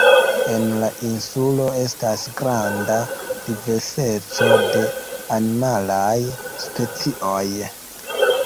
En la insulo, estas granda diverseco de animalaj specioj.